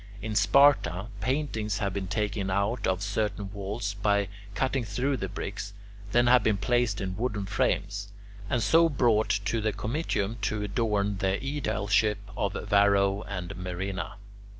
In Sparta, paintings have been taken out of certain walls by cutting through the bricks, then have been placed in wooden frames, and so brought to the Comitium to adorn the aedileship of Varro and Murena.